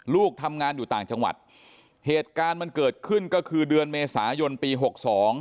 ลูกทำงานอยู่ต่างจังหวัดเหตุการณ์มันเกิดขึ้นก็คือเดือนเมษายนปีหกสอง